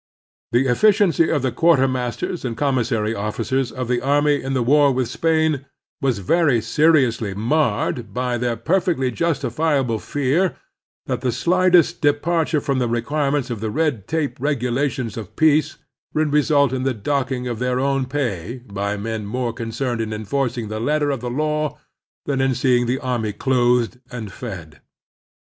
The efficiency of the quarter masters and commissary officers of the army in the war with Spain was very seriously marred by their perfectly justifiable fear that the slightest departure from the requirements of the red tape regulations of peace would result in the docking of their own pay by men more concerned in en forcing the letter of the law than in seeing the army clothed and fed.